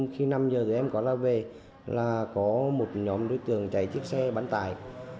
khi năm giờ tụi em có ra về là có một nhóm đối tượng chạy chiếc xe bắn tải